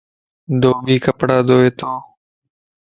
ڌوڀي ڪپڙا ڌوئي تو.